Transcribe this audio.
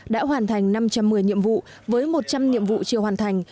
đã hoàn thành năm trăm một mươi nhiệm vụ với một trăm linh nhiệm vụ chưa hoàn thành